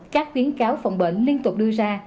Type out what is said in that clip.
các biến cáo phòng bệnh liên tục đưa ra